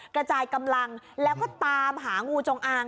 กระจายกำลังแล้วก็ตามหางูจงอาง